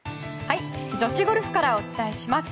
女子ゴルフからお伝えします。